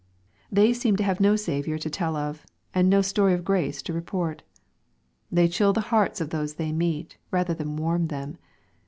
They seem to have no Saviour to tell of, and no story of grace to report. They chill the hearts of those they meet, rather than warm them.